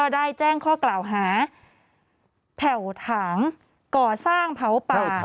ได้แจ้งข้อกล่าวหาแผ่วถางก่อสร้างเผาป่า